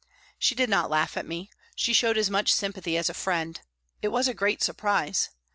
She did not laugh at me, she showed as much sympathy as a friend. It was a great surprise.